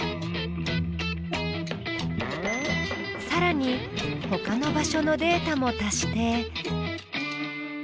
さらにほかの場所のデータも足して。